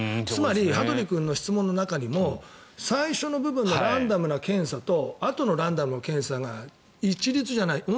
つまり、羽鳥君の質問の中にも最初の部分のランダムの検査とあとのランダムの検査が同じじゃない。